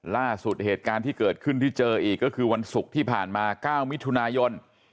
ล่าสุดเหตุการณ์ที่เกิดขึ้นที่เจออีกก็คือวันศุกร์ที่ผ่านมา๙มิถุนายน